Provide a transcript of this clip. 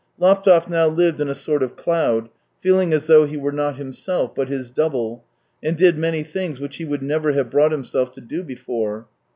Laptev now lived in a sort of cloud, feeling as though he were not himself, but his double, and did many things which he would never have brought himself to do before.